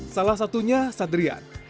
salah satunya sadrian